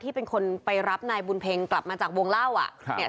ที่เป็นคนไปรับหน่ายบุญเพียงต่ำมาจากวงเล่าอะ